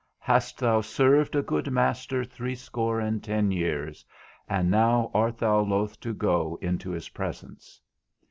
_ Hast thou served a good master threescore and ten years, and now art thou loth to go into his presence?